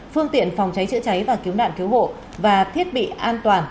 phương tiện phòng cháy chữa cháy và cứu nạn cứu hộ và thiết bị an toàn